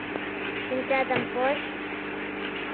— Шинчатым поч!